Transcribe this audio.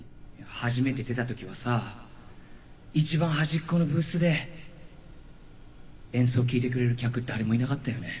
初めて出たときはさ一番はじっこのブースで演奏聴いてくれる客誰もいなかったよね。